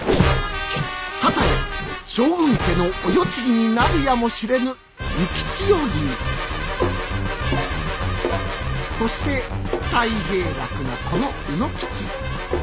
かたや将軍家のお世継ぎになるやもしれぬ幸千代君そして太平楽なこの卯之吉。